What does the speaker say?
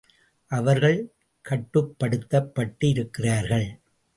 அவர்கள் கட்டுப்படுத்தப் பட்டு இருக்கிறார்கள்.